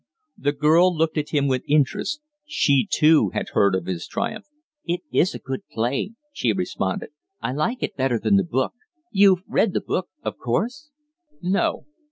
The girl looked at him with interest. She, too, had heard of his triumph. "It is a good play," she responded. "I like it better than the book. You've read the book, of course?" "No."